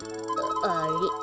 あれ？